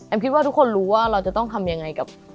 คิดว่าทุกคนรู้ว่าเราจะต้องทำยังไงกับ